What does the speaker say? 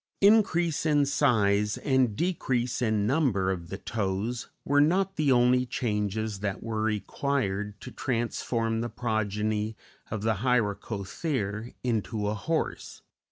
] Increase in size and decrease in number of the toes were not the only changes that were required to transform the progeny of the Hyracothere into a horse.